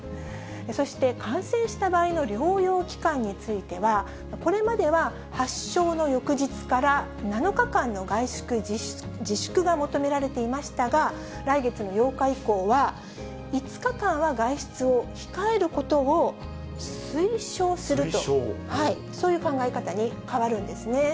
そして、感染した場合の療養期間については、これまでは発症の翌日から７日間の外出自粛が求められていましたが、来月の８日以降は、５日間は外出を控えることを推奨すると、そういう考え方に変わるんですね。